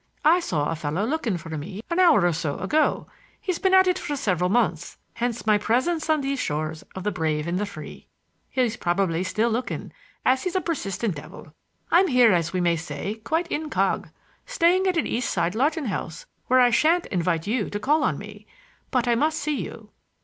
"I saw a fellow looking for me an hour or so ago. He's been at it for several months; hence my presence on these shores of the brave and the free. He's probably still looking, as he's a persistent devil. I'm here, as we may say, quite incog. Staying at an East side lodging house, where I shan't invite you to call on me. But I must see you."